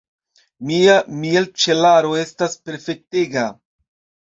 Mia mielĉelaro estas perfektega.